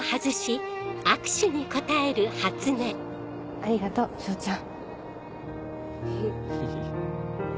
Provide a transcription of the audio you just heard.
ありがとう彰ちゃん。